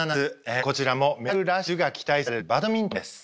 こちらもメダルラッシュが期待されるバドミントンです。